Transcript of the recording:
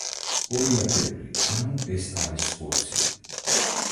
ორი ათეული, ანუ ეს არის ოცი.